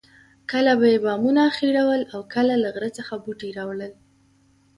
کله به یې بامونه اخیړول او کله له غره څخه بوټي راوړل.